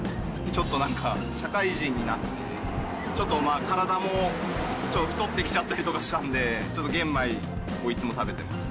ちょっとなんか、社会人になって、ちょっと体も、ちょっと太ってきちゃったりとかしたんで、ちょっと玄米をいつも食べてます。